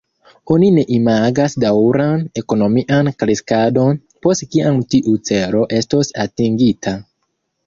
Oni ne imagas daŭran ekonomian kreskadon, post kiam tiu celo estos atingita.